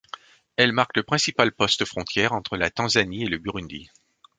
Elle marque le principal poste frontière entre la Tanzanie et le Burundi.